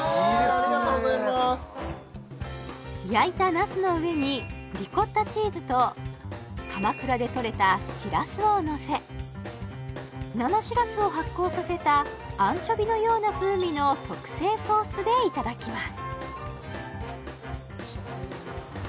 ありがとうございます焼いたナスの上にリコッタチーズと鎌倉でとれたシラスをのせ生シラスを発酵させたアンチョビのような風味の特製ソースでいただきます